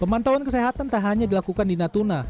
pemantauan kesehatan tak hanya dilakukan di natuna